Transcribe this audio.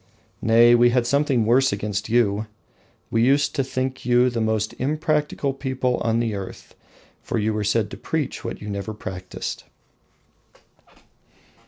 Nay, we had something worse against you: we used to think you the most impracticable people on the earth, for you were said to preach what you never practiced.